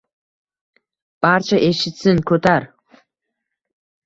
Barcha eshitsin – ko‘tar!